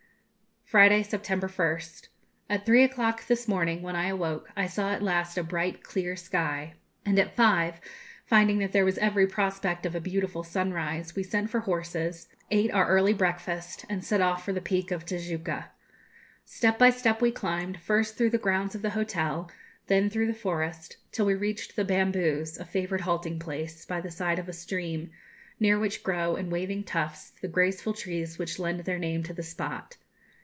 Friday, September 1st. At three o'clock this morning, when I awoke, I saw at last a bright, clear sky, and at five, finding that there was every prospect of a beautiful sunrise, we sent for horses, ate our early breakfast, and set off for the peak of Tijuca. Step by step we climbed, first through the grounds of the hotel, then through the forest, till we reached 'The Bamboos,' a favourite halting place, by the side of a stream, near which grow, in waving tufts, the graceful trees which lend their name to the spot.